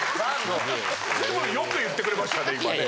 でもよく言ってくれましたね今ね。